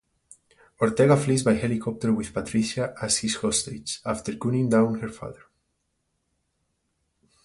Ortega flees by helicopter with Patricia as his hostage, after gunning down her father.